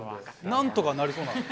なんとかなりそうな。